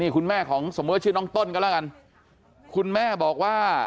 คุณแม่ของสมมุติว่าชื่อน้องต้นก็แล้วกันคุณแม่บอกว่า